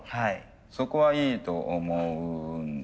そこはいいと思うんです。